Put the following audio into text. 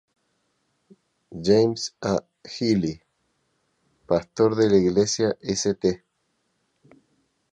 James A. Healy, pastor de la Iglesia St.